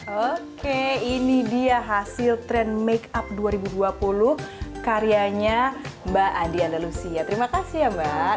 oke ini dia hasil tren make up dua ribu dua puluh karyanya mbak andi andalusia terima kasih ya mbak